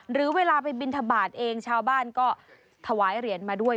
หรือเวลาไปบินทบาทเองชาวบ้านก็ถวายเหรียญมาด้วย